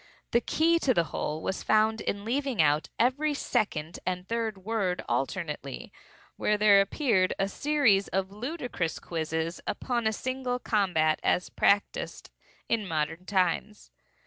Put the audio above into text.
The key to the whole was found in leaving out every second and third word alternately, when there appeared a series of ludicrous quizzes upon a single combat as practised in modern times.